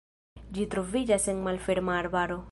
Ĝi troviĝas en malferma arbaro.